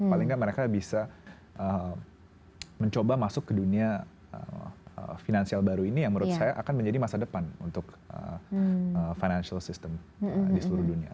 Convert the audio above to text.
paling nggak mereka bisa mencoba masuk ke dunia finansial baru ini yang menurut saya akan menjadi masa depan untuk financial system di seluruh dunia